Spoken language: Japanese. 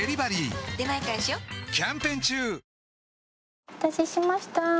お待たせしました。